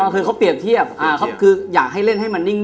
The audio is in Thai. คือเขาเปรียบเทียบคืออยากให้เล่นให้มันนิ่ง